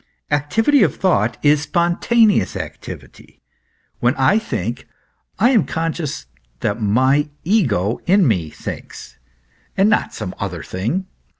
Activity of thought is spontaneous activity. " When I think, I am conscious that my ego in me thinks, and not some other thing.